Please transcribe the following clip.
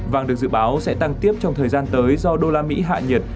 vàng được dự báo sẽ tăng tiếp trong thời gian tới do usd hạ nhiệt